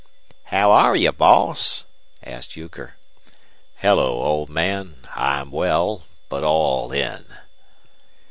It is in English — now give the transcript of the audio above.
"How are you, boss?" asked Euchre. "Hello, old man. I'm well, but all in."